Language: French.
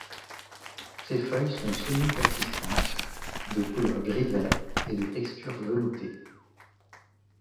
Ses feuilles sont semi-persistantes, de couleur gris vert, et de texture veloutée.